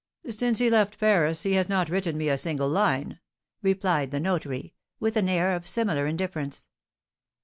"Since he left Paris he has not written me a single line," replied the notary, with an air of similar indifference.